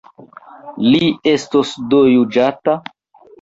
Li estos do juĝata?